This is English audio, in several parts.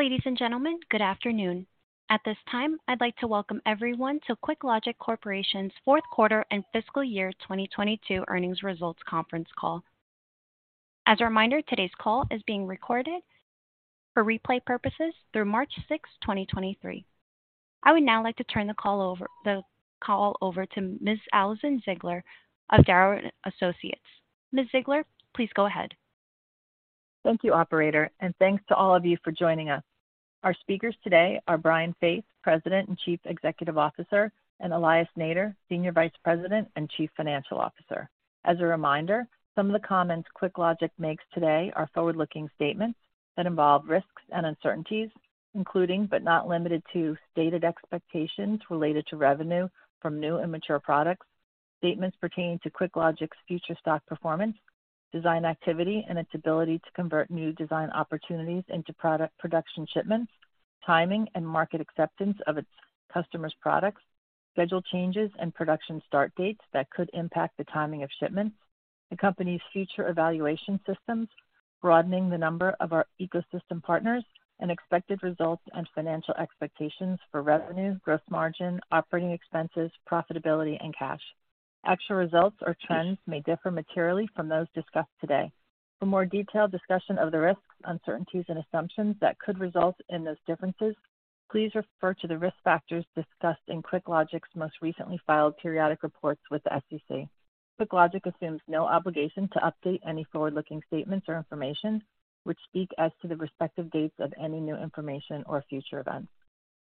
Ladies and gentlemen, good afternoon. At this time, I'd like to welcome everyone to QuickLogic Corporation's fourth quarter and fiscal year 2022 earnings results conference call. As a reminder, today's call is being recorded for replay purposes through March sixth, 2023. I would now like to turn the call over to Ms. Alison Ziegler of Darrow Associates. Ms. Ziegler, please go ahead. Thank you, operator, and thanks to all of you for joining us. Our speakers today are Brian Faith, President and Chief Executive Officer; and Elias Nader, Senior Vice President and Chief Financial Officer. As a reminder, some of the comments QuickLogic makes today are forward-looking statements that involve risks and uncertainties, including, but not limited to, stated expectations related to revenue from new and mature products, statements pertaining to QuickLogic's future stock performance, design activity, and its ability to convert new design opportunities into product production shipments, timing and market acceptance of its customers' products, schedule changes and production start dates that could impact the timing of shipments, the company's future evaluation systems, broadening the number of our ecosystem partners, and expected results and financial expectations for revenue, gross margin, operating expenses, profitability, and cash. Actual results or trends may differ materially from those discussed today. For more detailed discussion of the risks, uncertainties, and assumptions that could result in those differences, please refer to the risk factors discussed in QuickLogic's most recently filed periodic reports with the SEC. QuickLogic assumes no obligation to update any forward-looking statements or information, which speak as to the respective dates of any new information or future events.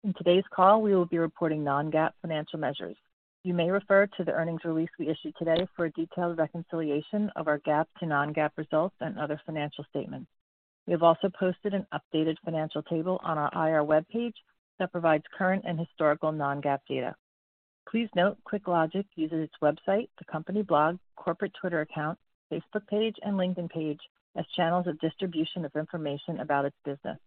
In today's call, we will be reporting non-GAAP financial measures. You may refer to the earnings release we issued today for a detailed reconciliation of our GAAP to non-GAAP results and other financial statements. We have also posted an updated financial table on our IR webpage that provides current and historical non-GAAP data. Please note QuickLogic uses its website, the company blog, corporate Twitter account, Facebook page, and LinkedIn page as channels of distribution of information about its business.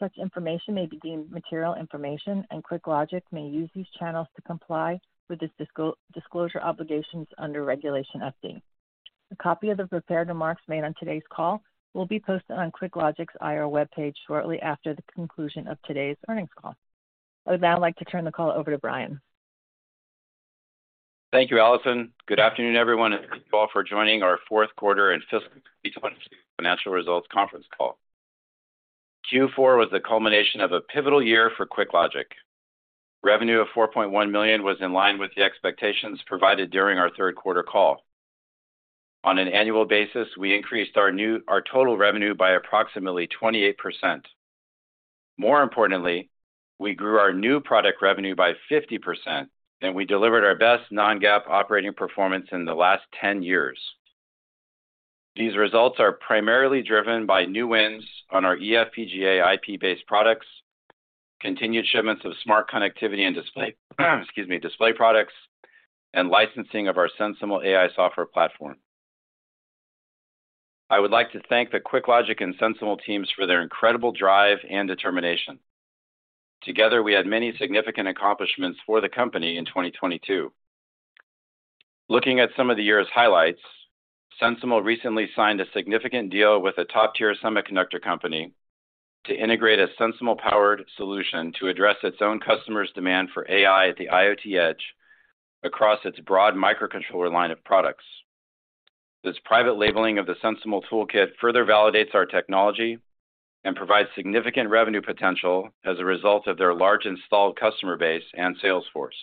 Such information may be deemed material information. QuickLogic may use these channels to comply with its disclosure obligations under Regulation FD. A copy of the prepared remarks made on today's call will be posted on QuickLogic's IR webpage shortly after the conclusion of today's earnings call. I would now like to turn the call over to Brian. Thank you, Alison. Good afternoon, everyone, thank you all for joining our fourth quarter and fiscal 2022 financial results conference call. Q4 was the culmination of a pivotal year for QuickLogic. Revenue of $4.1 million was in line with the expectations provided during our third quarter call. On an annual basis, we increased our total revenue by approximately 28%. More importantly, we grew our new product revenue by 50%. We delivered our best non-GAAP operating performance in the last 10 years. These results are primarily driven by new wins on our eFPGA IP-based products, continued shipments of smart connectivity and display products, licensing of our SensiML AI software platform. I would like to thank the QuickLogic and SensiML teams for their incredible drive and determination. Together, we had many significant accomplishments for the company in 2022. Looking at some of the year's highlights, SensiML recently signed a significant deal with a top-tier semiconductor company to integrate a SensiML-powered solution to address its own customer's demand for AI at the IoT edge across its broad microcontroller line of products. This private labeling of the SensiML toolkit further validates our technology and provides significant revenue potential as a result of their large installed customer base and sales force.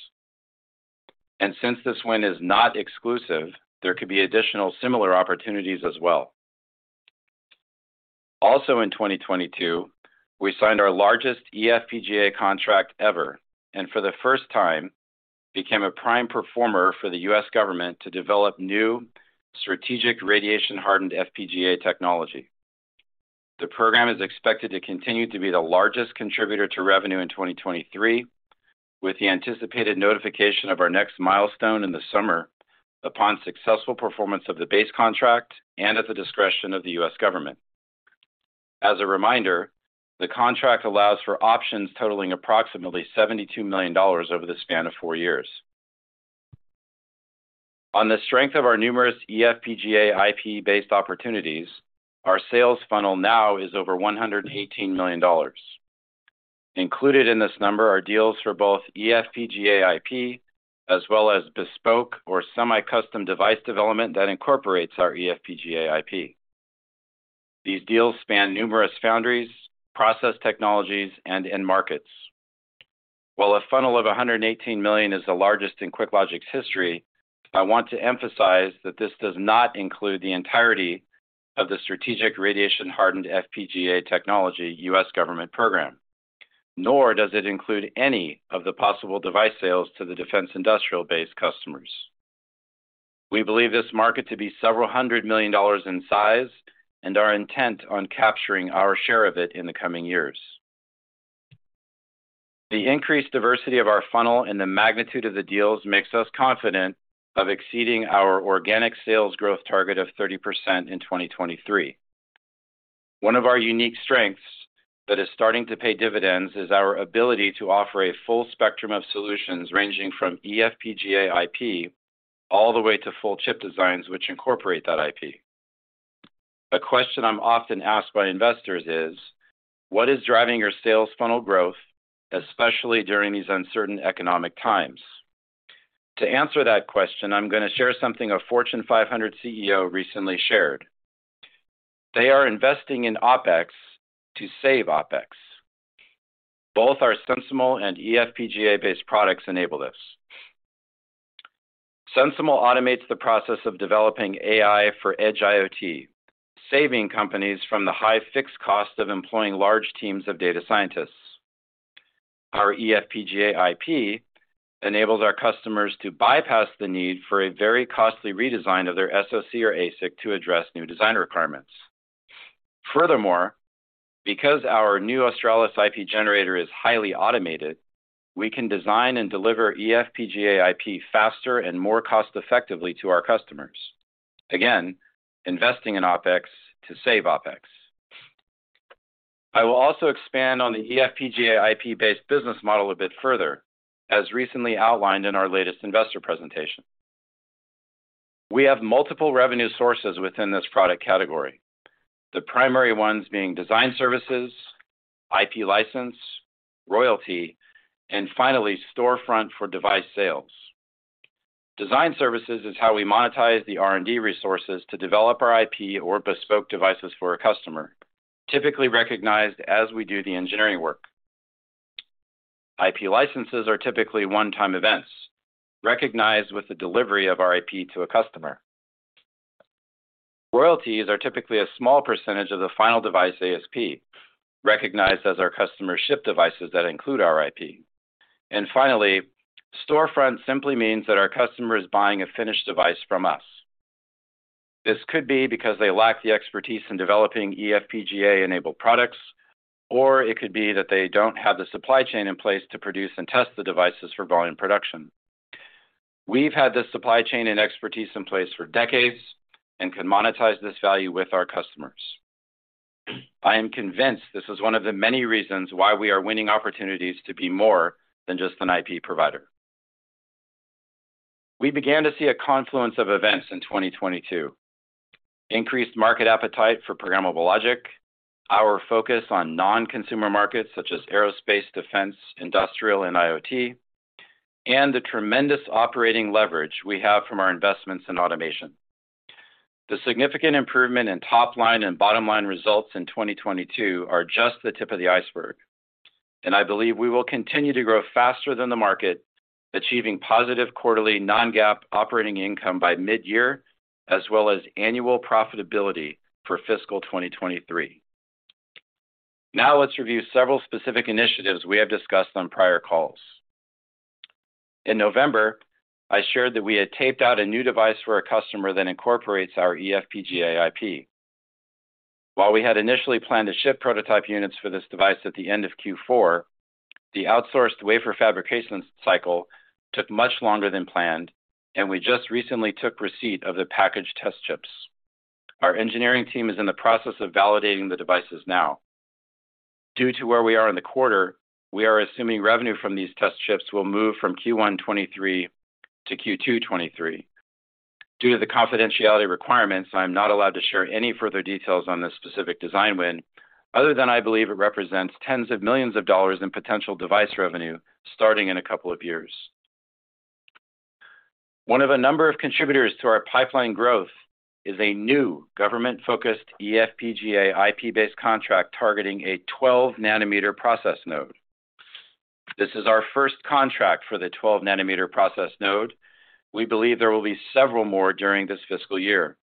This win is not exclusive, there could be additional similar opportunities as well. Also, in 2022, we signed our largest eFPGA contract ever, and for the first time became a prime performer for the U.S. government to develop new strategic radiation-hardened FPGA technology. The program is expected to continue to be the largest contributor to revenue in 2023, with the anticipated notification of our next milestone in the summer upon successful performance of the base contract and at the discretion of the U.S. government. As a reminder, the contract allows for options totaling approximately $72 million over the span of 4 years. On the strength of our numerous eFPGA IP-based opportunities, our sales funnel now is over $118 million. Included in this number are deals for both eFPGA IP as well as bespoke or semi-custom device development that incorporates our eFPGA IP. These deals span numerous foundries, process technologies, and end markets. While a funnel of $118 million is the largest in QuickLogic's history, I want to emphasize that this does not include the entirety of the strategic radiation-hardened FPGA technology U.S. government program, nor does it include any of the possible device sales to the defense industrial base customers. We believe this market to be several hundred million dollars in size and are intent on capturing our share of it in the coming years. The increased diversity of our funnel and the magnitude of the deals makes us confident of exceeding our organic sales growth target of 30% in 2023. One of our unique strengths that is starting to pay dividends is our ability to offer a full spectrum of solutions ranging from eFPGA IPAll the way to full chip designs which incorporate that IP. A question I'm often asked by investors is, "What is driving your sales funnel growth, especially during these uncertain economic times?" To answer that question, I'm gonna share something a Fortune 500 CEO recently shared. They are investing in OpEx to save OpEx. Both our SensiML and eFPGA-based products enable this. SensiML automates the process of developing AI for edge IoT, saving companies from the high fixed cost of employing large teams of data scientists. Our eFPGA IP enables our customers to bypass the need for a very costly redesign of their SoC or ASIC to address new design requirements. Furthermore, because our new Australis IP generator is highly automated, we can design and deliver eFPGA IP faster and more cost-effectively to our customers. Again, investing in OpEx to save OpEx. I will also expand on the eFPGA IP-based business model a bit further, as recently outlined in our latest investor presentation. We have multiple revenue sources within this product category, the primary ones being design services, IP license, royalty, and finally, storefront for device sales. Design services is how we monetize the R&D resources to develop our IP or bespoke devices for a customer, typically recognized as we do the engineering work. IP licenses are typically one-time events, recognized with the delivery of our IP to a customer. Royalties are typically a small percentage of the final device ASP, recognized as our customer ship devices that include our IP. Finally, storefront simply means that our customer is buying a finished device from us. This could be because they lack the expertise in developing eFPGA-enabled products, or it could be that they don't have the supply chain in place to produce and test the devices for volume production. We've had this supply chain and expertise in place for decades and can monetize this value with our customers. I am convinced this is one of the many reasons why we are winning opportunities to be more than just an IP provider. We began to see a confluence of events in 2022. Increased market appetite for programmable logic, our focus on non-consumer markets such as aerospace, defense, industrial, and IoT, and the tremendous operating leverage we have from our investments in automation. The significant improvement in top-line and bottom-line results in 2022 are just the tip of the iceberg. I believe we will continue to grow faster than the market, achieving positive quarterly non-GAAP operating income by mid-year as well as annual profitability for fiscal 2023. Let's review several specific initiatives we have discussed on prior calls. In November, I shared that we had taped out a new device for a customer that incorporates our eFPGA IP. While we had initially planned to ship prototype units for this device at the end of Q4, the outsourced wafer fabrication cycle took much longer than planned. We just recently took receipt of the packaged test chips. Our engineering team is in the process of validating the devices now. Due to where we are in the quarter, we are assuming revenue from these test chips will move from Q1 2023 to Q2 2023. Due to the confidentiality requirements, I am not allowed to share any further details on this specific design win other than I believe it represents tens of millions of dollars in potential device revenue starting in a couple of years. One of a number of contributors to our pipeline growth is a new government-focused eFPGA IP-based contract targeting a 12-nanometer process node. This is our first contract for the 12-nanometer process node. We believe there will be several more during this fiscal year.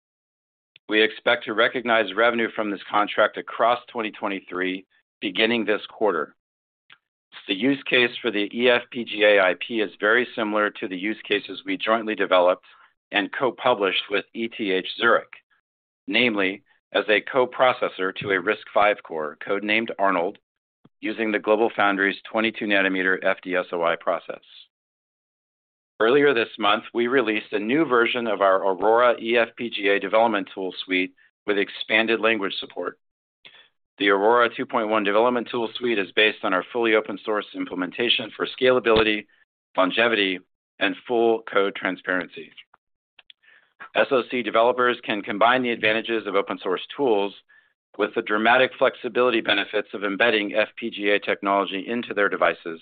We expect to recognize revenue from this contract across 2023, beginning this quarter. The use case for the eFPGA IP is very similar to the use cases we jointly developed and co-published with ETH Zurich, namely as a co-processor to a RISC-V core, code-named Arnold, using the GlobalFoundries 22 nanometer FDSOI process. Earlier this month, we released a new version of our Aurora eFPGA development tool suite with expanded language support. The Aurora 2.1 development tool suite is based on our fully open-source implementation for scalability, longevity, and full code transparency. SoC developers can combine the advantages of open-source tools with the dramatic flexibility benefits of embedding FPGA technology into their devices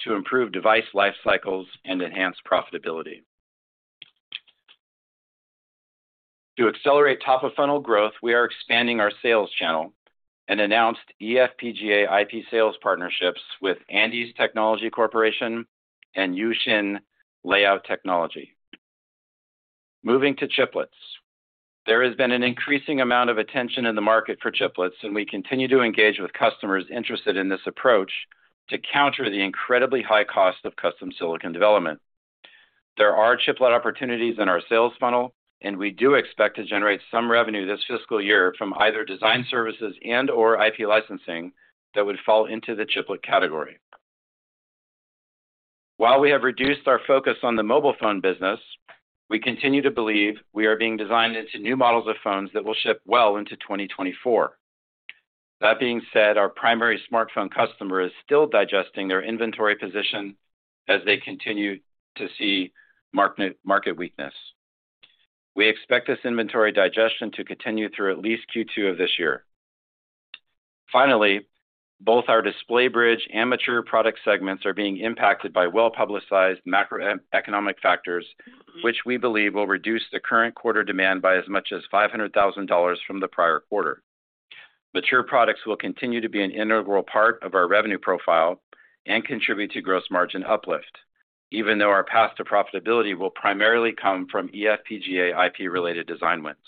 to improve device life cycles and enhance profitability. To accelerate top-of-funnel growth, we are expanding our sales channel and announced eFPGA IP sales partnerships with Andes Technology Corporation and YIXIN Technology. Moving to chiplets. There has been an increasing amount of attention in the market for chiplets, and we continue to engage with customers interested in this approach to counter the incredibly high cost of custom silicon development. There are chiplet opportunities in our sales funnel, and we do expect to generate some revenue this fiscal year from either design services and/or IP licensing that would fall into the chiplet category. While we have reduced our focus on the mobile phone business, we continue to believe we are being designed into new models of phones that will ship well into 2024. That being said, our primary smartphone customer is still digesting their inventory position as they continue to see market weakness. We expect this inventory digestion to continue through at least Q2 of this year. Finally, both our display bridge and mature product segments are being impacted by well-publicized macroeconomic factors, which we believe will reduce the current quarter demand by as much as $500,000 from the prior quarter. Mature products will continue to be an integral part of our revenue profile and contribute to gross margin uplift, even though our path to profitability will primarily come from eFPGA IP-related design wins.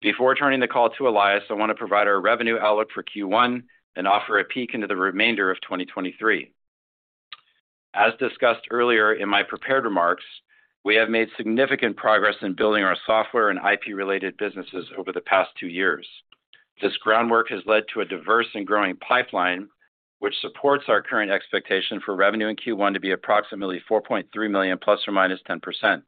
Before turning the call to Elias, I want to provide our revenue outlook for Q1 and offer a peek into the remainder of 2023. Discussed earlier in my prepared remarks, we have made significant progress in building our software and IP-related businesses over the past two years. This groundwork has led to a diverse and growing pipeline, which supports our current expectation for revenue in Q1 to be approximately $4.3 million ±10%.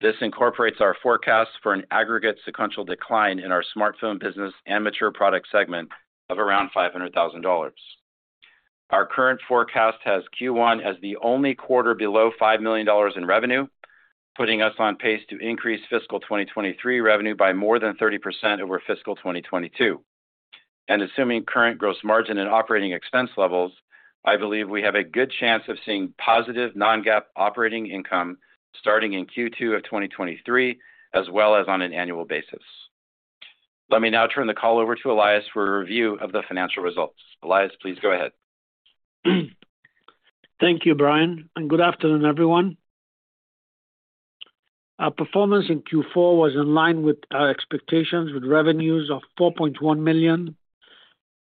This incorporates our forecast for an aggregate sequential decline in our smartphone business and mature product segment of around $500,000. Our current forecast has Q1 as the only quarter below $5 million in revenue, putting us on pace to increase fiscal 2023 revenue by more than 30% over fiscal 2022. Assuming current gross margin and operating expense levels, I believe we have a good chance of seeing positive non-GAAP operating income starting in Q2 of 2023, as well as on an annual basis. Let me now turn the call over to Elias for a review of the financial results. Elias, please go ahead. Thank you, Brian. Good afternoon, everyone. Our performance in Q4 was in line with our expectations with revenues of $4.1 million,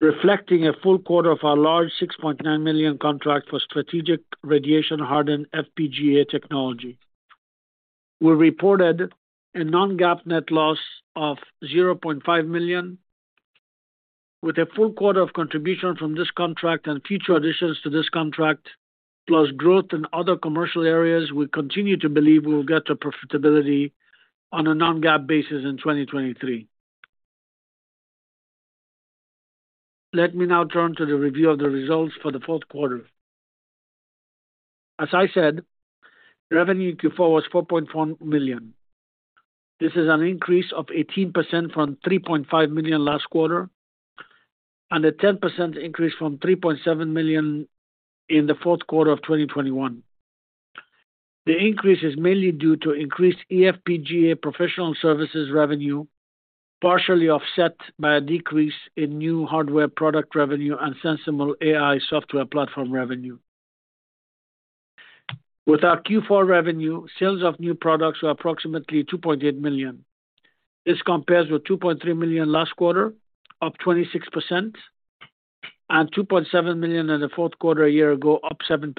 reflecting a full quarter of our large $6.9 million contract for strategic radiation hardened FPGA technology. We reported a non-GAAP net loss of $0.5 million with a full quarter of contribution from this contract and future additions to this contract, plus growth in other commercial areas, we continue to believe we will get to profitability on a non-GAAP basis in 2023. Let me now turn to the review of the results for the fourth quarter. As I said, revenue in Q4 was $4.1 million. This is an increase of 18% from $3.5 million last quarter and a 10% increase from $3.7 million in the fourth quarter of 2021. The increase is mainly due to increased eFPGA professional services revenue, partially offset by a decrease in new hardware product revenue and SensiML AI software platform revenue. With our Q4 revenue, sales of new products were approximately $2.8 million. This compares with $2.3 million last quarter, up 26%, and $2.7 million in the fourth quarter a year ago, up 7%.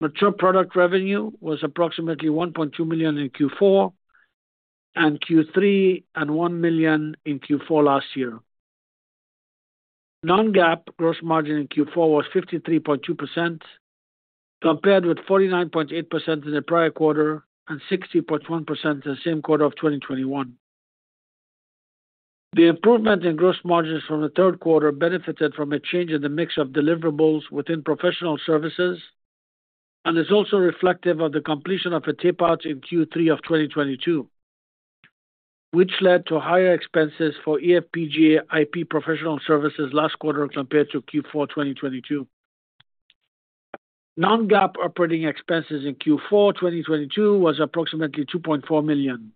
Mature product revenue was approximately $1.2 million in Q4 and Q3 and $1 million in Q4 last year. Non-GAAP gross margin in Q4 was 53.2%, compared with 49.8% in the prior quarter and 60.1% in the same quarter of 2021. The improvement in gross margins from the third quarter benefited from a change in the mix of deliverables within professional services and is also reflective of the completion of a tape-out in Q3 of 2022, which led to higher expenses for eFPGA IP professional services last quarter compared to Q4 2022. Non-GAAP operating expenses in Q4 2022 was approximately $2.4 million.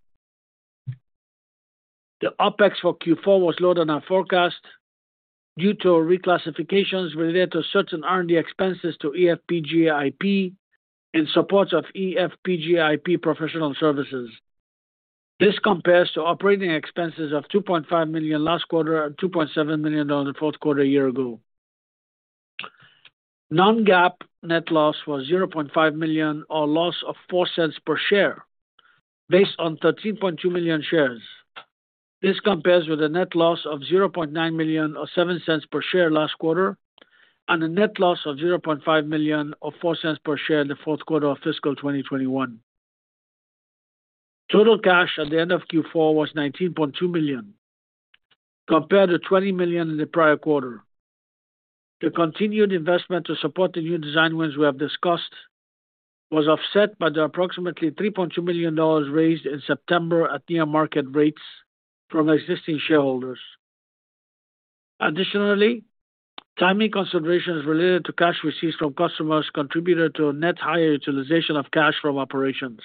The OpEx for Q4 was lower than our forecast due to reclassifications related to certain R&D expenses to eFPGA IP in support of eFPGA IP professional services. This compares to operating expenses of $2.5 million last quarter and $2.7 million the fourth quarter a year ago. Non-GAAP net loss was $0.5 million or loss of $0.04 per share based on 13.2 million shares. This compares with a net loss of $0.9 million or $0.07 per share last quarter and a net loss of $0.5 million or $0.04 per share in the fourth quarter of fiscal 2021. Total cash at the end of Q4 was $19.2 million, compared to $20 million in the prior quarter. The continued investment to support the new design wins we have discussed was offset by the approximately $3.2 million raised in September at near market rates from existing shareholders. Additionally, timing considerations related to cash received from customers contributed to a net higher utilization of cash from operations.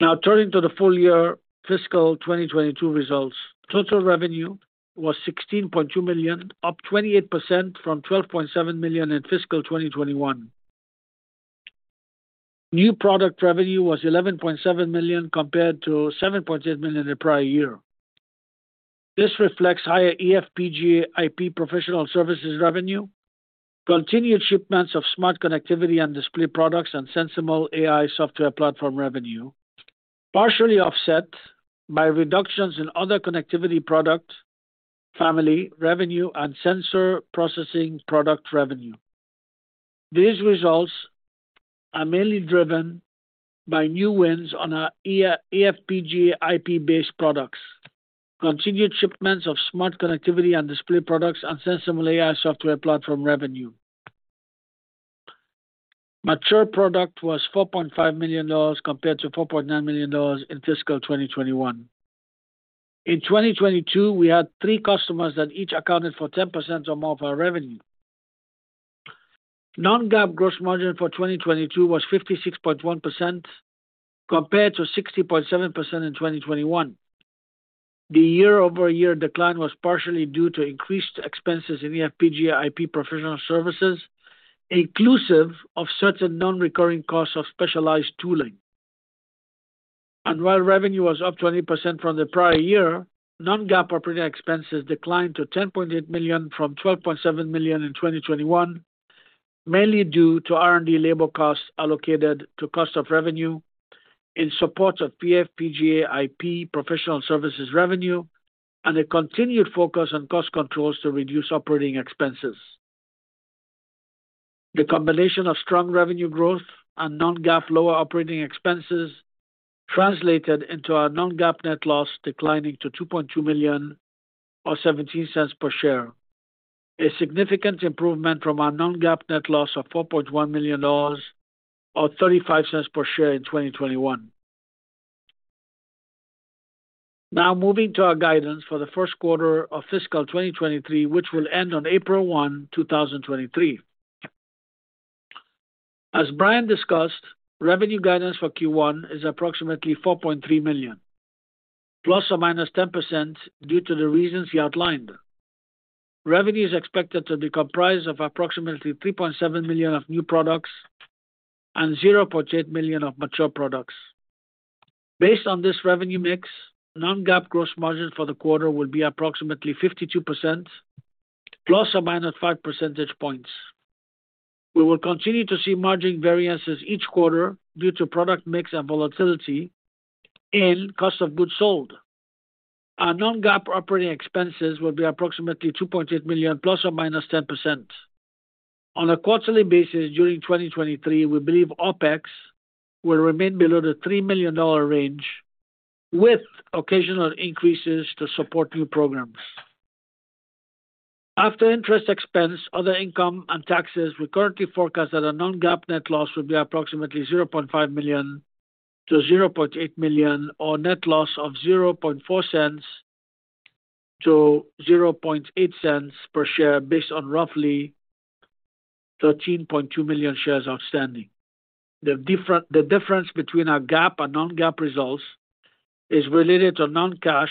Now turning to the full year fiscal 2022 results. Total revenue was $16.2 million, up 28% from $12.7 million in fiscal 2021. New product revenue was $11.7 million compared to $7.8 million the prior year. This reflects higher eFPGA IP professional services revenue, continued shipments of smart connectivity and display products, and SensiML AI software platform revenue, partially offset by reductions in other connectivity product family revenue and sensor processing product revenue. These results are mainly driven by new wins on our eFPGA IP-based products, continued shipments of smart connectivity and display products, and SensiML AI software platform revenue. Mature product was $4.5 million compared to $4.9 million in fiscal 2021. In 2022, we had 3 customers that each accounted for 10% or more of our revenue. Non-GAAP gross margin for 2022 was 56.1% compared to 60.7% in 2021. The year-over-year decline was partially due to increased expenses in eFPGA IP professional services, inclusive of certain non-recurring costs of specialized tooling. While revenue was up 20% from the prior year, non-GAAP operating expenses declined to $10.8 million from $12.7 million in 2021, mainly due to R&D labor costs allocated to cost of revenue in support of eFPGA IP professional services revenue and a continued focus on cost controls to reduce operating expenses. The combination of strong revenue growth and non-GAAP lower operating expenses translated into our non-GAAP net loss declining to $2.2 million or $0.17 per share, a significant improvement from our non-GAAP net loss of $4.1 million or $0.35 per share in 2021. Now moving to our guidance for the first quarter of fiscal 2023, which will end on April 1, 2023. As Brian discussed, revenue guidance for Q1 is approximately $4.3 million, ±10% due to the reasons he outlined. Revenue is expected to be comprised of approximately $3.7 million of new products and $0.8 million of mature products. Based on this revenue mix, non-GAAP gross margin for the quarter will be approximately 52% ±5 percentage points. We will continue to see margin variances each quarter due to product mix and volatility in cost of goods sold. Our non-GAAP operating expenses will be approximately $2.8 million ±10%. On a quarterly basis during 2023, we believe OpEx will remain below the $3 million range with occasional increases to support new programs. After interest expense, other income and taxes, we currently forecast that our non-GAAP net loss will be approximately $0.5 million-$0.8 million or net loss of $0.004-$0.008 per share based on roughly 13.2 million shares outstanding. The difference between our GAAP and non-GAAP results is related to non-cash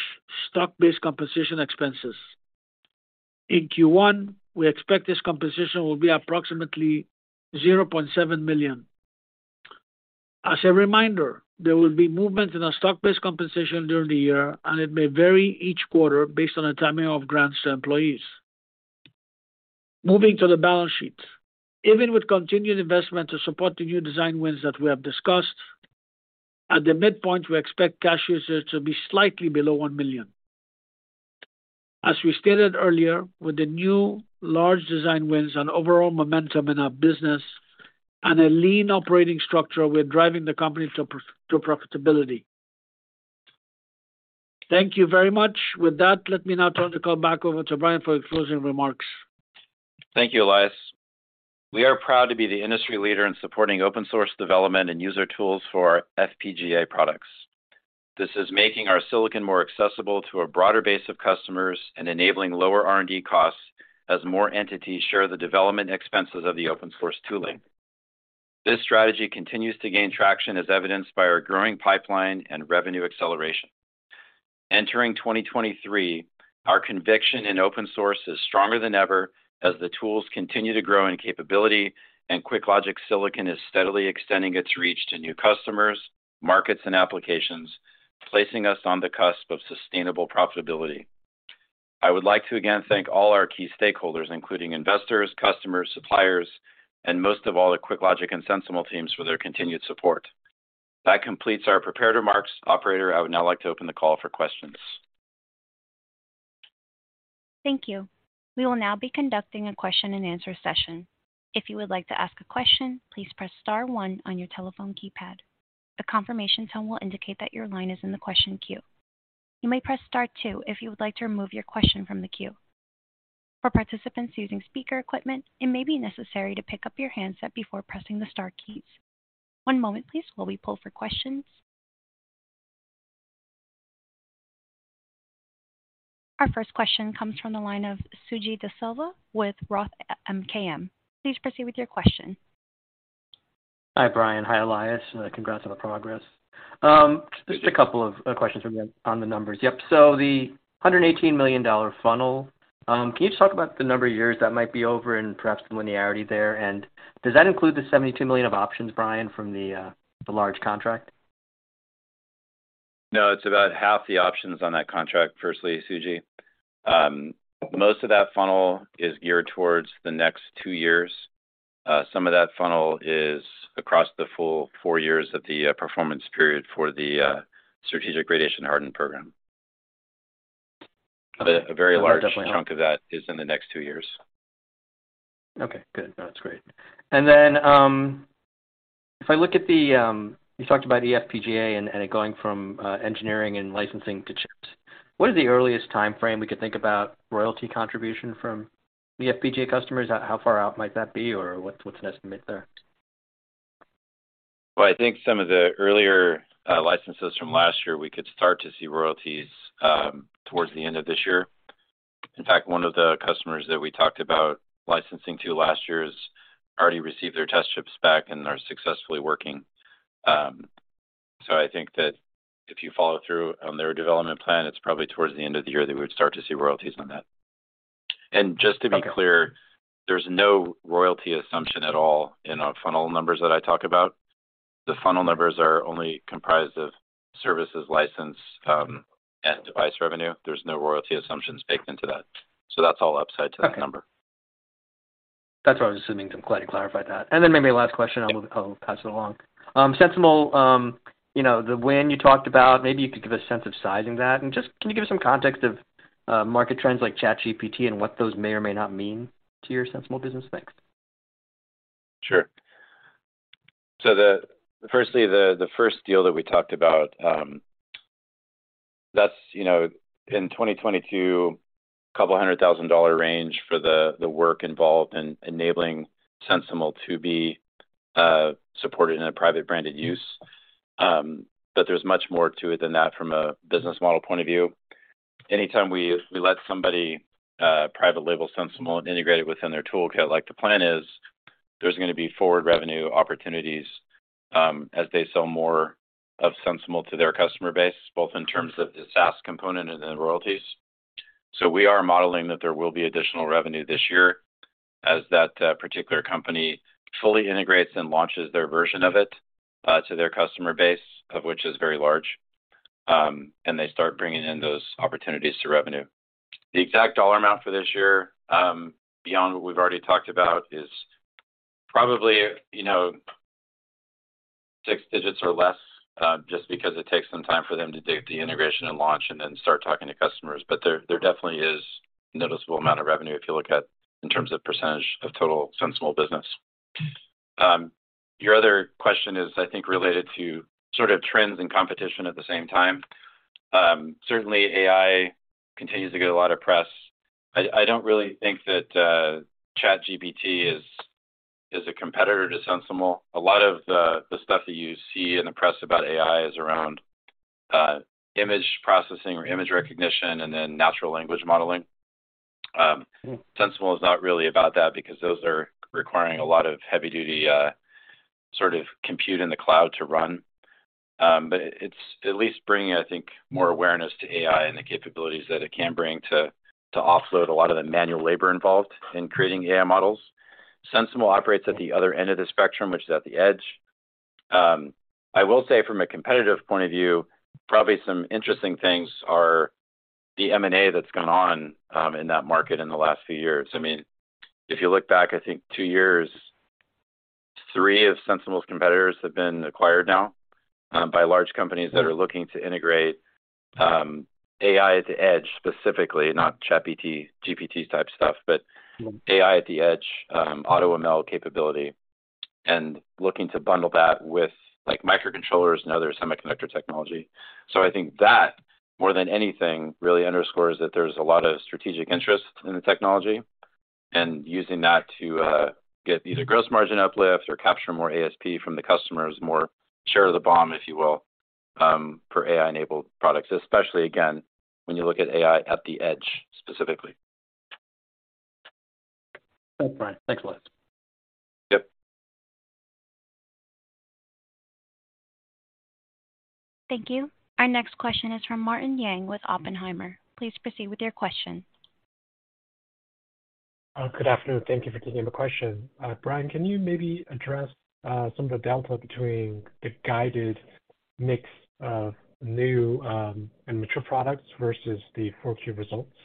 stock-based compensation expenses. In Q1, we expect this compensation will be approximately $0.7 million. As a reminder, there will be movement in our stock-based compensation during the year, and it may vary each quarter based on the timing of grants to employees. Moving to the balance sheet. Even with continued investment to support the new design wins that we have discussed, at the midpoint, we expect cash usage to be slightly below $1 million. We stated earlier, with the new large design wins and overall momentum in our business and a lean operating structure, we're driving the company to profitability. Thank you very much. With that, let me now turn the call back over to Brian for closing remarks. Thank you, Elias. We are proud to be the industry leader in supporting open source development and user tools for FPGA products. This is making our silicon more accessible to a broader base of customers and enabling lower R&D costs as more entities share the development expenses of the open source tooling. This strategy continues to gain traction as evidenced by our growing pipeline and revenue acceleration. Entering 2023, our conviction in open source is stronger than ever as the tools continue to grow in capability and QuickLogic Silicon is steadily extending its reach to new customers, markets, and applications, placing us on the cusp of sustainable profitability. I would like to again thank all our key stakeholders, including investors, customers, suppliers, and most of all, the QuickLogic and SensiML teams for their continued support. That completes our prepared remarks. Operator, I would now like to open the call for questions. Thank you. We will now be conducting a question and answer session. If you would like to ask a question, please press star 1 on your telephone keypad. A confirmation tone will indicate that your line is in the question queue. You may press star 2 if you would like to remove your question from the queue. For participants using speaker equipment, it may be necessary to pick up your handset before pressing the star keys. One moment please while we pull for questions. Our first question comes from the line of Suji Desilva with ROTH MKM. Please proceed with your question. Hi, Brian. Hi, Elias. Congrats on the progress. Just a couple of questions from me on the numbers. The $118 million funnel, can you just talk about the number of years that might be over and perhaps the linearity there? Does that include the $72 million of options, Brian, from the large contract? No, it's about half the options on that contract, firstly, Suji. Most of that funnel is geared towards the next 2 years. Some of that funnel is across the full 4 years of the performance period for the strategic radiation-hardened program. A very large chunk of that is in the next 2 years. Okay, good. No, that's great. If I look at the, you talked about the FPGA and it going from engineering and licensing to chips. What is the earliest timeframe we could think about royalty contribution from the FPGA customers? How far out might that be, or what's an estimate there? Well, I think some of the earlier licenses from last year, we could start to see royalties towards the end of this year. In fact, one of the customers that we talked about licensing to last year has already received their test ships back and are successfully working. I think that if you follow through on their development plan, it's probably towards the end of the year that we would start to see royalties on that. Just to be clear, there's no royalty assumption at all in our funnel numbers that I talk about. The funnel numbers are only comprised of services, license, and device revenue. There's no royalty assumptions baked into that, so that's all upside to that number. That's what I was assuming. I'm glad you clarified that. Maybe last question, I'll pass it along. SensiML, you know, the win you talked about, maybe you could give a sense of sizing that, and just can you give us some context of market trends like ChatGPT and what those may or may not mean to your SensiML business mix? Sure. Firstly, the first deal that we talked about, that's, you know, in 2022, $200,000 range for the work involved in enabling SensiML to be supported in a private branded use. There's much more to it than that from a business model point of view. Anytime we let somebody private label SensiML and integrate it within their toolkit, like, the plan is there's gonna be forward revenue opportunities as they sell more of SensiML to their customer base, both in terms of the SaaS component and the royalties. We are modeling that there will be additional revenue this year as that particular company fully integrates and launches their version of it to their customer base, of which is very large, and they start bringing in those opportunities to revenue. The exact dollar amount for this year, beyond what we've already talked about is probably, you know, six digits or less, just because it takes some time for them to do the integration and launch and then start talking to customers. There, there definitely is noticeable amount of revenue if you look at in terms of percentage of total SensiML business. Your other question is, I think, related to sort of trends in competition at the same time. Certainly AI continues to get a lot of press. I don't really think that ChatGPT is a competitor to SensiML. A lot of the stuff that you see in the press about AI is around image processing or image recognition and then natural language modeling. SensiML is not really about that because those are requiring a lot of heavy-duty, sort of compute in the cloud to run. It's at least bringing, I think, more awareness to AI and the capabilities that it can bring to offload a lot of the manual labor involved in creating AI models. SensiML operates at the other end of the spectrum, which is at the edge. I will say from a competitive point of view, probably some interesting things are the M&A that's gone on in that market in the last few years. I mean, if you look back, I think two years, three of SensiML's competitors have been acquired now by large companies that are looking to integrate AI at the edge specifically, not ChatGPT type stuff, but AI at the edge, AutoML capability and looking to bundle that with, like, microcontrollers and other semiconductor technology. I think that, more than anything, really underscores that there's a lot of strategic interest in the technology and using that to get either gross margin uplift or capture more ASP from the customers, more share of the bomb, if you will, for AI-enabled products, especially again, when you look at AI at the edge specifically. Thanks, Brian. Thanks a lot. Yep. Thank you. Our next question is from Martin Yang with Oppenheimer. Please proceed with your question. Good afternoon. Thank you for taking the question. Brian, can you maybe address some of the delta between the guided mix of new and mature products versus the 4Q results?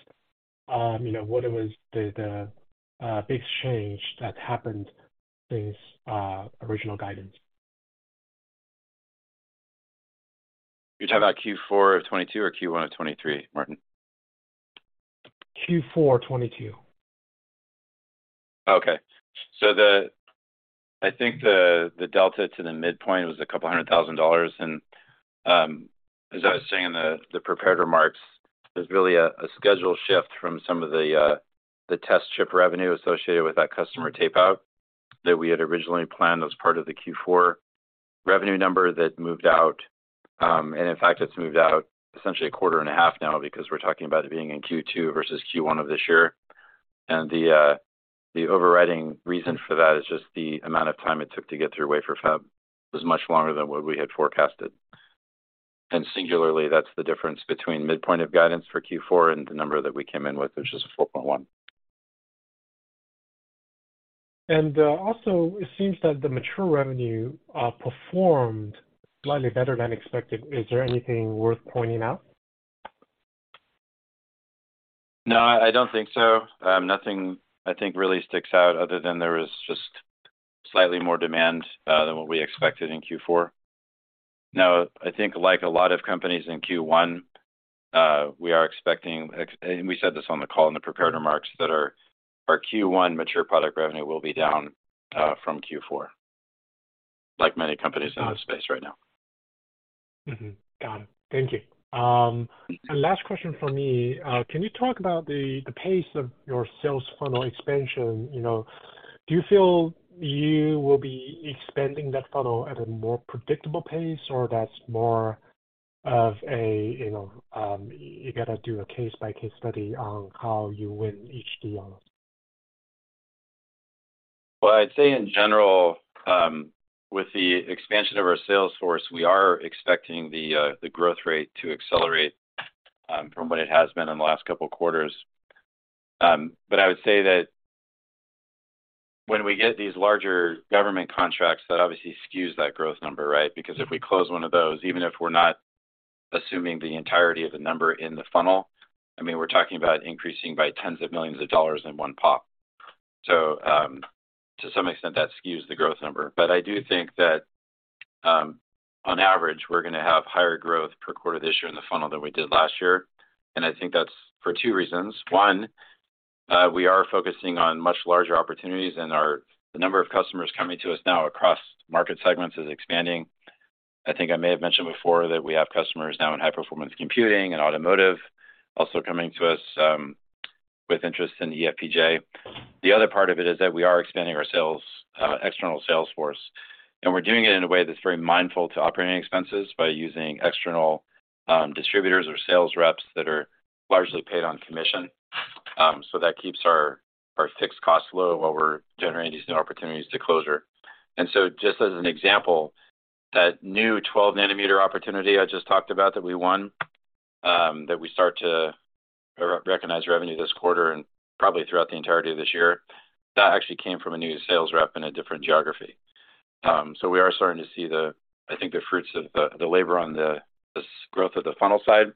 You know, what it was the big change that happened since original guidance? You're talking about Q4 of 2022 or Q1 of 2023, Martin? Q4 2022. Okay. I think the delta to the midpoint was a couple hundred thousand dollars. As I was saying in the prepared remarks, there's really a schedule shift from some of the test chip revenue associated with that customer tape out that we had originally planned as part of the Q4 revenue number that moved out. In fact, it's moved out essentially a quarter and a half now because we're talking about it being in Q2 versus Q1 of this year. The overriding reason for that is just the amount of time it took to get through wafer fab was much longer than what we had forecasted. Singularly, that's the difference between midpoint of guidance for Q4 and the number that we came in with, which is $4.1. also it seems that the mature revenue performed slightly better than expected. Is there anything worth pointing out? I don't think so. Nothing I think really sticks out other than there was just slightly more demand than what we expected in Q4. I think like a lot of companies in Q1, we are expecting and we said this on the call in the prepared remarks, that our Q1 mature product revenue will be down from Q4, like many companies in this space right now. Got it. Thank you. Last question from me. Can you talk about the pace of your sales funnel expansion? You know, do you feel you will be expanding that funnel at a more predictable pace, or that's more of a, you know, you gotta do a case-by-case study on how you win each deal? I'd say in general, with the expansion of our sales force, we are expecting the growth rate to accelerate from what it has been in the last couple quarters. I would say that when we get these larger government contracts, that obviously skews that growth number, right? Because if we close one of those, even if we're not assuming the entirety of the number in the funnel, I mean, we're talking about increasing by $10s of millions in one pop. To some extent, that skews the growth number. I do think that on average, we're gonna have higher growth per quarter this year in the funnel than we did last year, and I think that's for 2 reasons. 1, we are focusing on much larger opportunities, and our... The number of customers coming to us now across market segments is expanding. I think I may have mentioned before that we have customers now in high-performance computing and automotive also coming to us with interest in eFPGA. The other part of it is that we are expanding our sales external sales force, and we're doing it in a way that's very mindful to operating expenses by using external distributors or sales reps that are largely paid on commission. That keeps our fixed costs low while we're generating these new opportunities to closure. Just as an example, that new 12-nanometer opportunity I just talked about that we won, that we start to recognize revenue this quarter and probably throughout the entirety of this year, that actually came from a new sales rep in a different geography. We are starting to see the, I think, the fruits of the labor on this growth of the funnel side.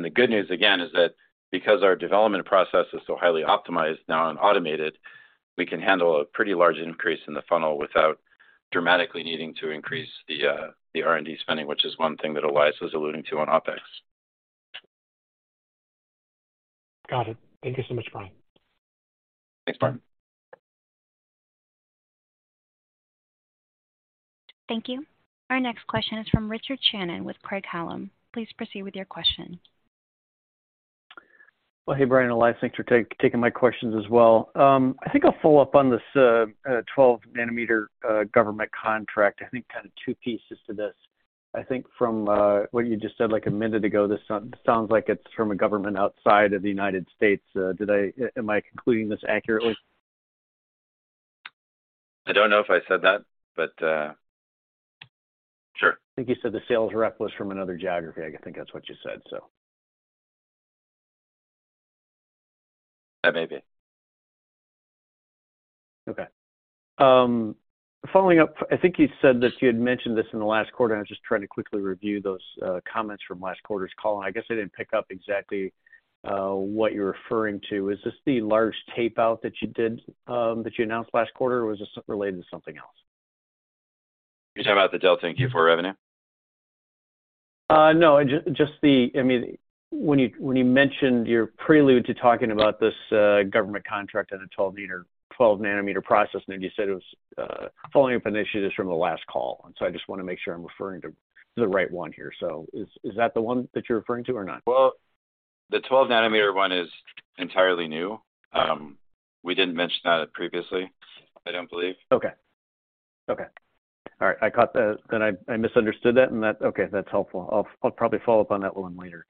The good news again is that because our development process is so highly optimized now and automated, we can handle a pretty large increase in the funnel without dramatically needing to increase the R&D spending, which is one thing that Elias was alluding to on OpEx. Got it. Thank you so much, Brian. Thanks, Martin. Thank you. Our next question is from Richard Shannon with Craig-Hallum. Please proceed with your question. Well, hey, Brian and Elias. Thanks for taking my questions as well. I think I'll follow up on this 12-nanometer government contract. I think kind of two pieces to this. I think from what you just said like a minute ago, this sounds like it's from a government outside of the United States. Am I concluding this accurately? I don't know if I said that, but, sure. I think you said the sales rep was from another geography. I think that's what you said, so. That may be. Okay. Following up, I think you said that you had mentioned this in the last quarter, and I was just trying to quickly review those comments from last quarter's call, and I guess I didn't pick up exactly what you're referring to. Is this the large tape-out that you did, that you announced last quarter, or was this related to something else? You're talking about the delta in Q4 revenue? No. I mean, when you mentioned your prelude to talking about this government contract on a 12-meter, 12-nanometer process, and then you said it was following up on an issue that's from the last call. I just wanna make sure I'm referring to the right one here. Is that the one that you're referring to or not? The 12-nanometer one is entirely new. We didn't mention that previously, I don't believe. Okay. Okay. All right. I caught the... I misunderstood that and that... Okay, that's helpful. I'll probably follow up on that one later.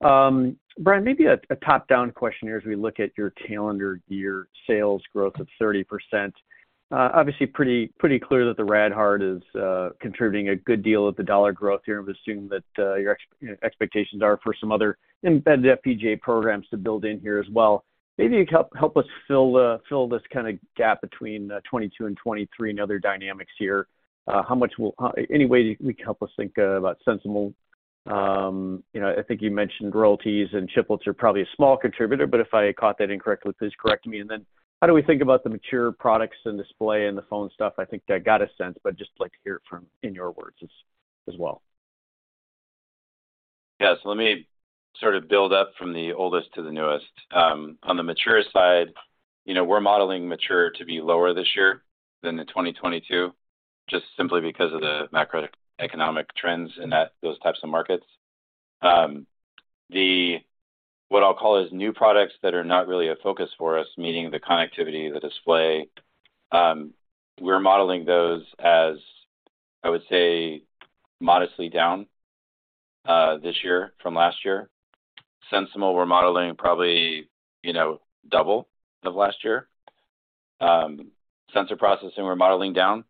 Brian, maybe a top-down question here as we look at your calendar year sales growth of 30%. obviously pretty clear that the Rad-Hard is contributing a good deal of the dollar growth here. I'm assuming that your expectations are for some other embedded FPGA programs to build in here as well. Maybe help us fill this kinda gap between 2022 and 2023 and other dynamics here. how much will... any way that you can help us think about SensiML? you know, I think you mentioned royalties and chiplets are probably a small contributor, but if I caught that incorrectly, please correct me. How do we think about the mature products and display and the phone stuff? I think I got a sense, but just like to hear it from, in your words as well. Yeah. Let me sort of build up from the oldest to the newest. On the mature side, you know, we're modeling mature to be lower this year than the 2022, just simply because of the macroeconomic trends in that, those types of markets. The, what I'll call is new products that are not really a focus for us, meaning the connectivity, the display, we're modeling those as, I would say, modestly down this year from last year. SensiML, we're modeling probably, you know, double of last year. Sensor processing, we're modeling down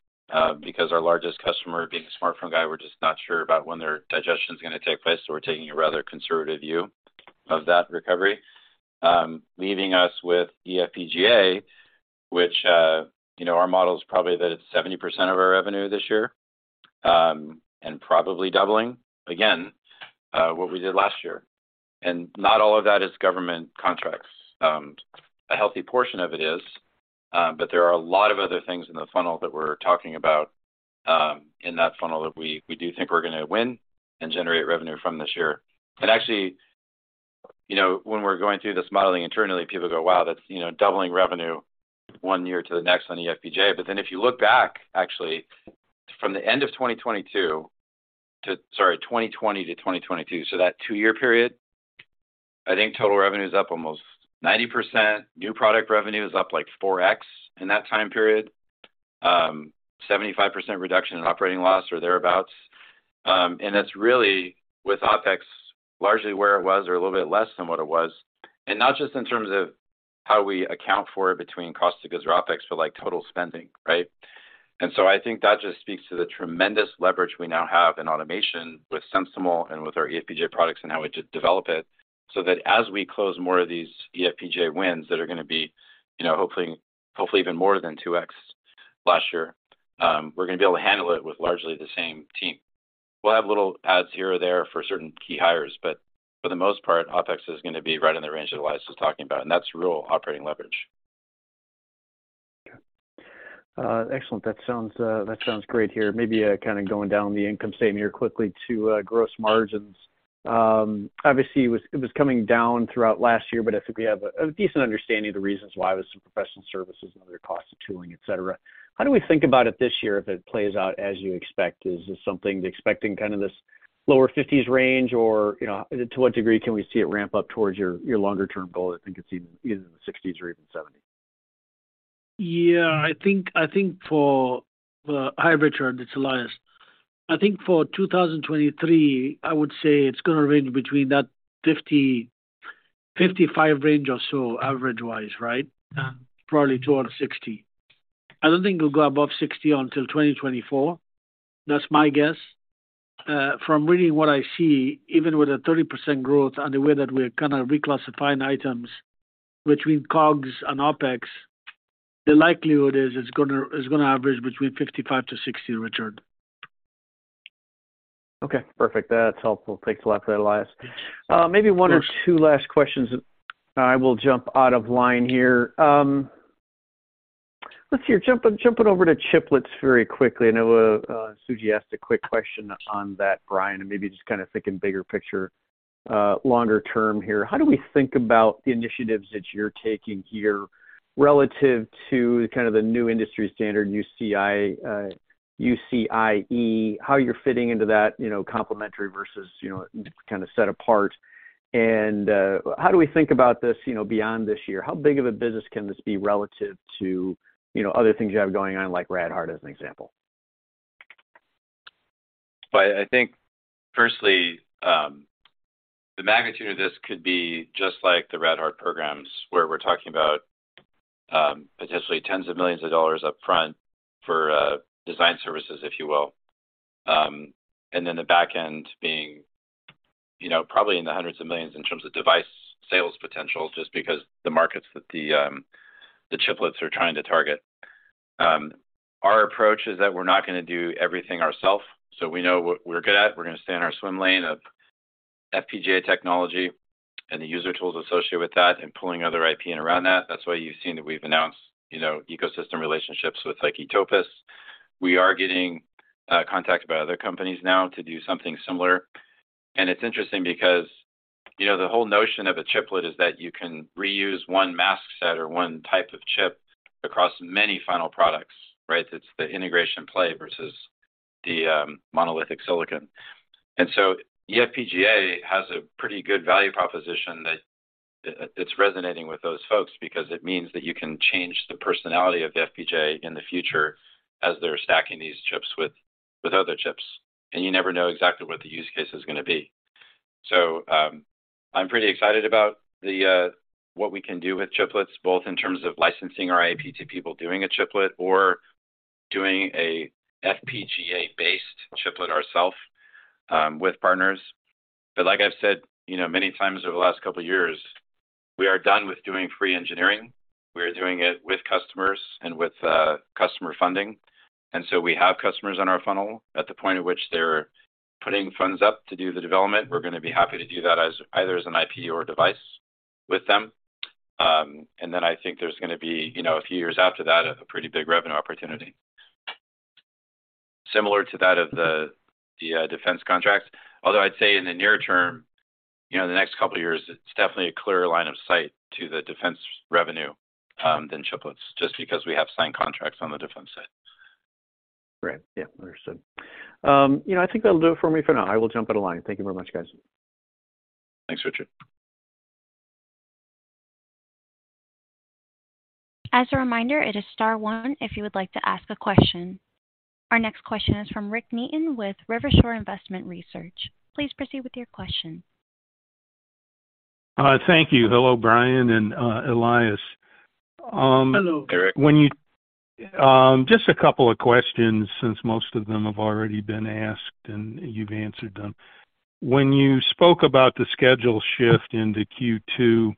because our largest customer being a smartphone guy, we're just not sure about when their digestion's gonna take place, so we're taking a rather conservative view of that recovery. Leaving us with eFPGA, which, you know, our model is probably that it's 70% of our revenue this year and probably doubling. What we did last year, not all of that is government contracts. A healthy portion of it is, there are a lot of other things in the funnel that we're talking about in that funnel that we do think we're gonna win and generate revenue from this year. Actually, you know, when we're going through this modeling internally, people go, "Wow, that's, you know, doubling revenue one year to the next on eFPGA." If you look back actually from the end of 2022 to... Sorry, 2020 to 2022, so that two-year period, I think total revenue is up almost 90%. New product revenue is up, like, 4x in that time period. 75% reduction in operating loss or thereabouts. That's really with OpEx largely where it was or a little bit less than what it was. Not just in terms of how we account for it between COGS or OpEx, but, like, total spending, right? I think that just speaks to the tremendous leverage we now have in automation with SensiML and with our eFPGA products and how we de-develop it, so that as we close more of these eFPGA wins that are gonna be, you know, hopefully even more than 2x last year, we're gonna be able to handle it with largely the same team. We'll have little adds here or there for certain key hires, but for the most part, OpEx is gonna be right in the range that Elias was talking about, and that's real operating leverage. Okay. Excellent. That sounds, that sounds great here. Maybe kind of going down the income statement here quickly to gross margins. Obviously it was coming down throughout last year, but I think we have a decent understanding of the reasons why with some professional services and other costs of tooling, et cetera. How do we think about it this year if it plays out as you expect? Is this something expecting kind of this lower 50s% range or, you know, to what degree can we see it ramp up towards your longer term goal? I think it's even in the 60s% or even 70s%. Yeah. I think for, hi, Richard, it's Elias. I think for 2023, I would say it's gonna range between that 50%-55% range or so average-wise, right? Yeah. Probably towards 60. I don't think it'll go above 60 until 2024. That's my guess. From reading what I see, even with a 30% growth and the way that we're kind of reclassifying items between COGS and OpEx, the likelihood is it's gonna average between 55-60, Richard. Okay. Perfect. That's helpful. Thanks a lot for that, Elias. Maybe one or two last questions. I will jump out of line here. Jumping over to chiplets very quickly. I know Suji asked a quick question on that, Brian, and maybe just kind of thinking bigger picture, longer term here. How do we think about the initiatives that you're taking here relative to kind of the new industry standard UCI, UCIE? How you're fitting into that, you know, complementary versus, you know, kind of set apart. How do we think about this, you know, beyond this year? How big of a business can this be relative to, you know, other things you have going on like Rad-Hard as an example? I think firstly, the magnitude of this could be just like the Rad-Hard programs, where we're talking about potentially tens of millions of dollars up front for design services, if you will. Then the back end being, you know, probably in the hundreds of millions in terms of device sales potential, just because the markets that the chiplets are trying to target. Our approach is that we're not gonna do everything ourself, we know what we're good at. We're gonna stay in our swim lane of FPGA technology and the user tools associated with that and pulling other IP in around that. That's why you've seen that we've announced, you know, ecosystem relationships with like eTopus. We are getting contacted by other companies now to do something similar. It's interesting because, you know, the whole notion of a chiplet is that you can reuse one mask set or one type of chip across many final products, right? It's the integration play versus the monolithic silicon. eFPGA has a pretty good value proposition that it's resonating with those folks because it means that you can change the personality of the FPGA in the future as they're stacking these chips with other chips, and you never know exactly what the use case is gonna be. I'm pretty excited about what we can do with chiplets, both in terms of licensing our IP to people doing a chiplet or doing a FPGA-based chiplet ourself with partners. Like I've said, you know, many times over the last couple of years, we are done with doing free engineering. We are doing it with customers and with customer funding. We have customers in our funnel at the point at which they're putting funds up to do the development. We're gonna be happy to do that as either as an IP or device with them. I think there's gonna be, you know, a few years after that, a pretty big revenue opportunity similar to that of the defense contracts. I'd say in the near term, you know, the next couple of years, it's definitely a clearer line of sight to the defense revenue than chiplets, just because we have signed contracts on the defense side. Great. Yeah. Understood. You know, I think that'll do it for me for now. I will jump out of line. Thank you very much, guys. Thanks, Richard. As a reminder, it is star one if you would like to ask a question. Our next question is from Rick Neaton with Rivershore Investment Research. Please proceed with your question. Thank you. Hello, Brian and Elias. Hello, Rick. When you Just a couple of questions since most of them have already been asked and you've answered them. When you spoke about the schedule shift into Q2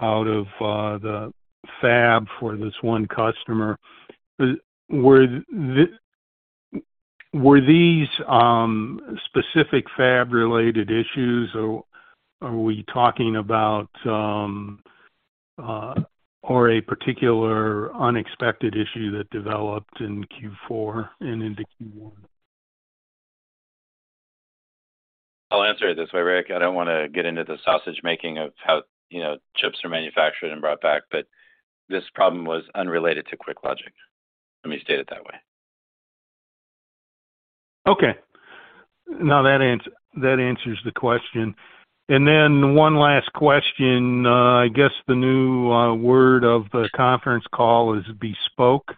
out of the fab for this one customer, were these specific fab related issues, or are we talking about or a particular unexpected issue that developed in Q4 and into Q1? I'll answer it this way, Rick. I don't wanna get into the sausage making of how, you know, chips are manufactured and brought back, but this problem was unrelated to QuickLogic. Let me state it that way. Okay. No, that answers the question. One last question. I guess the new word of the conference call is bespoke.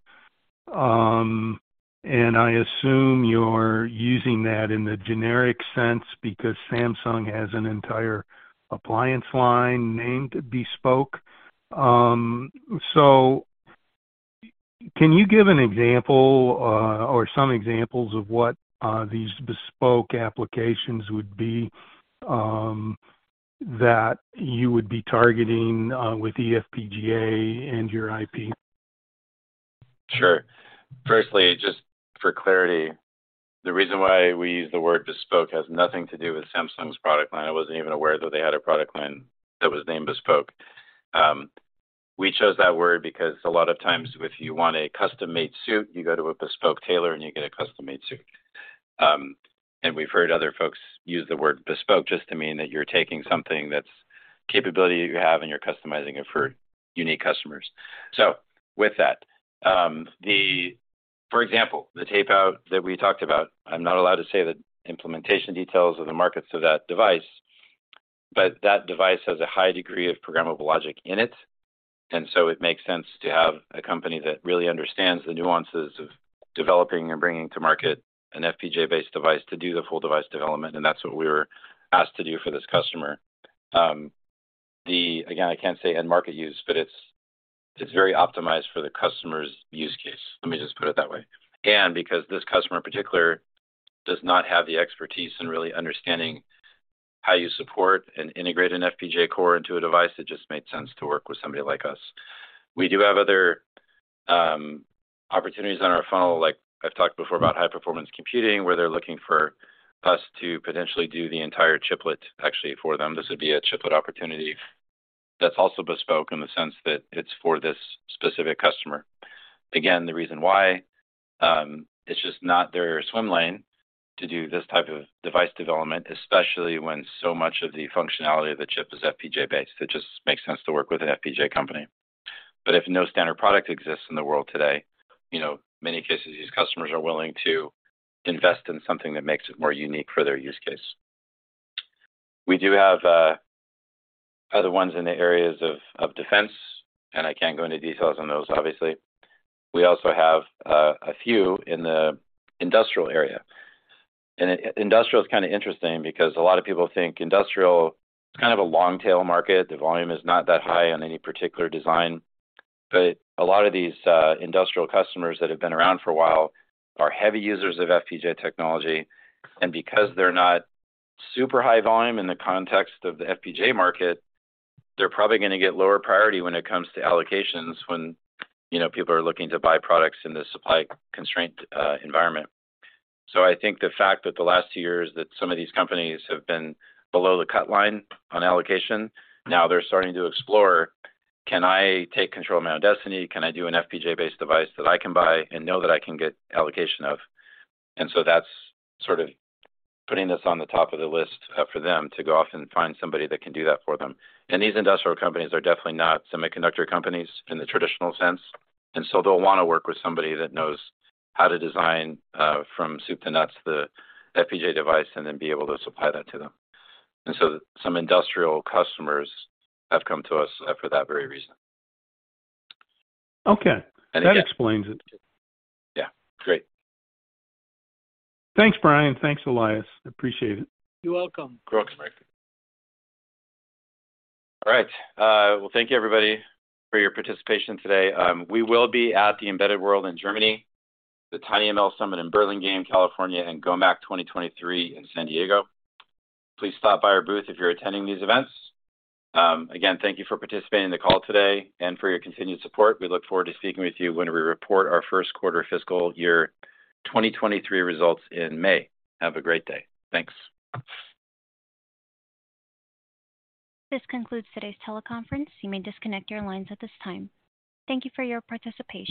I assume you're using that in the generic sense because Samsung has an entire appliance line named Bespoke. Can you give an example or some examples of what these bespoke applications would be that you would be targeting with eFPGA and your IP? Sure. Firstly, just for clarity, the reason why we use the word bespoke has nothing to do with Samsung's product line. I wasn't even aware that they had a product line that was named Bespoke. We chose that word because a lot of times if you want a custom-made suit, you go to a bespoke tailor, and you get a custom-made suit. We've heard other folks use the word bespoke just to mean that you're taking something that's capability you have, and you're customizing it for unique customers. With that. The tape out that we talked about, I'm not allowed to say the implementation details or the markets of that device, but that device has a high degree of programmable logic in it. It makes sense to have a company that really understands the nuances of developing and bringing to market an FPGA-based device to do the full device development, and that's what we were asked to do for this customer. Again, I can't say end market use, it's very optimized for the customer's use case. Let me just put it that way. Because this customer in particular does not have the expertise in really understanding how you support and integrate an FPGA core into a device, it just made sense to work with somebody like us. We do have other opportunities in our funnel, like I've talked before about high-performance computing, where they're looking for us to potentially do the entire chiplet actually for them. This would be a chiplet opportunity that's also bespoke in the sense that it's for this specific customer. Again, the reason why it's just not their swim lane to do this type of device development, especially when so much of the functionality of the chip is FPGA-based. It just makes sense to work with an FPGA company. If no standard product exists in the world today, you know, many cases these customers are willing to invest in something that makes it more unique for their use case. We do have other ones in the areas of defense, and I can't go into details on those obviously. We also have a few in the industrial area. Industrial is kind of interesting because a lot of people think industrial is kind of a long tail market. The volume is not that high on any particular design. A lot of these industrial customers that have been around for a while are heavy users of FPGA technology. Because they're not super high volume in the context of the FPGA market, they're probably gonna get lower priority when it comes to allocations when, you know, people are looking to buy products in the supply constraint environment. I think the fact that the last few years that some of these companies have been below the cut line on allocation, now they're starting to explore, "Can I take control of my own destiny? Can I do an FPGA-based device that I can buy and know that I can get allocation of?" That's sort of putting this on the top of the list for them to go off and find somebody that can do that for them. These industrial companies are definitely not semiconductor companies in the traditional sense, and so they'll wanna work with somebody that knows how to design from soup to nuts the FPGA device and then be able to supply that to them. Some industrial customers have come to us for that very reason. Okay. again- That explains it. Yeah. Great. Thanks, Brian. Thanks, Elias. I appreciate it. You're welcome. Of course, Rick. All right. Well, thank you everybody for your participation today. We will be at the embedded world in Germany, the tinyML Summit in Burlingame, California, and GOMACTech 2023 in San Diego. Please stop by our booth if you're attending these events. Again, thank you for participating in the call today and for your continued support. We look forward to speaking with you when we report our first quarter fiscal year 2023 results in May. Have a great day. Thanks. This concludes today's teleconference. You may disconnect your lines at this time. Thank you for your participation.